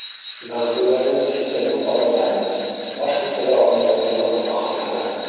Бәғзеләре кисә ныҡ арығайны, баш күтәрә алмай яталар, ахырыһы.